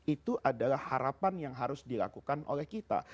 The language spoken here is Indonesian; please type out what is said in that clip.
itu adalah harapan yang harus dilakukan oleh kita